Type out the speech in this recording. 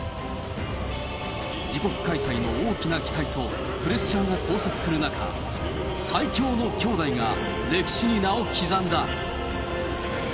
自国開催の大きな期待と、プレッシャーが交錯する中、最強の兄妹が歴史に名を刻んだ。